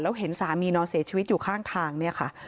แล้วเห็นสามีนอนเสียชีวิตอยู่ข้างทางเนี่ยค่ะ